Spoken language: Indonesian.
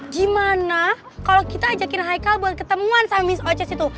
gimana kalau kita ajakin hicle buat ketemuan sama miss ochas itu